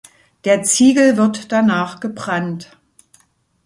Der Ziegel wird danach gebrannt.